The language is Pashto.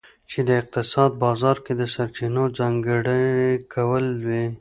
چې د اقتصاد بازار کې د سرچینو ځانګړي کول وي.